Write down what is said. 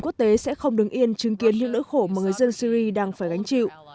quốc tế sẽ không đứng yên chứng kiến những nỗi khổ mà người dân syri đang phải gánh chịu